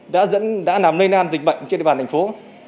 đã nằm lây nan dịch bệnh trên địa bàn thành phố